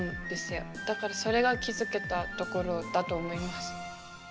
だからそれが気付けたところだと思います。